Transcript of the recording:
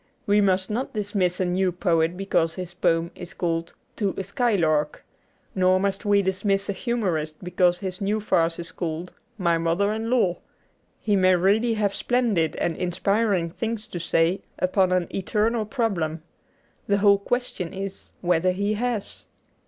We must not dismiss a new poet because his poem is called ' To a Skylark '; nor must we dismiss a humorist because his new farce is called ' My Mother in Law.' He may really have splendid and inspiring things to say upon an eternal problem. The whole question is whether he has.